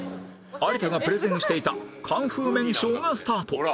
有田がプレゼンしていたカンフー麺ショーがスタート